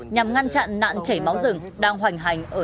nhằm ngăn chặn nạn chảy máu rừng đang hoành hành ở nhiều nơi